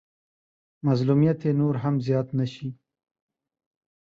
مظلوميت يې نور هم زيات نه شي.